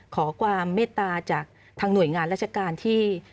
ขอความเมตตาจากทางหน่วยงานราชการที่